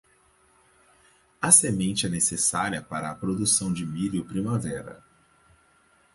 A semente é necessária para a produção de milho primavera.